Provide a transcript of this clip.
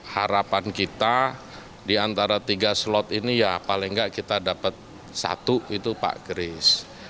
harapan kita di antara tiga slot ini ya paling nggak kita dapat satu itu pak kris